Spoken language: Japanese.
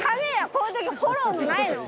こういうときフォローもないの？